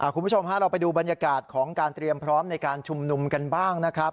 คุณผู้ชมฮะเราไปดูบรรยากาศของการเตรียมพร้อมในการชุมนุมกันบ้างนะครับ